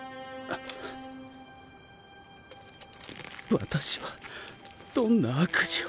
私はどんな悪事を。